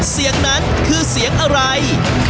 เสียงนั้นคือเสียงอะไร